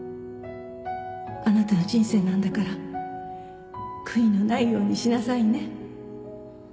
あなたの人生なんだから悔いのないようにしなさいね